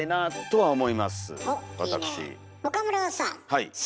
はい。